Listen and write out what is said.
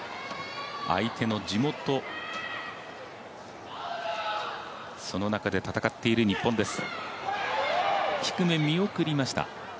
相手の地元その中で戦っている日本です。